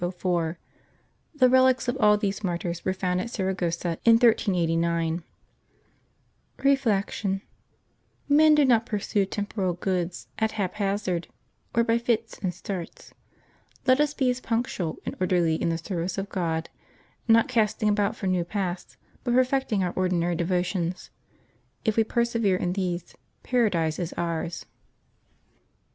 The relics of all these martyrs were found at Saragossa in 1389. Reflection. — Men do not pursue temporal goods at hap hazard, or by fits and starts. Let us be as punctual and orderly in the service of God, not casting about for new paths, but perfecting our ordinary devotions. If we per severe in these. Paradise is ours.